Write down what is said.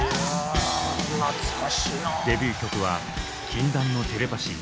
デビュー曲は「禁断のテレパシー」。